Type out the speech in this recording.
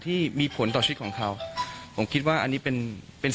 ที่มีผลต่อชีวิตของเขาผมคิดว่าอันนี้เป็นเป็น